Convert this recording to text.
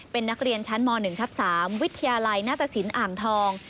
เป็นนักเรียนชั้นม๑ทับ๓วิทยาลัยหน้าตสินอ่างทอง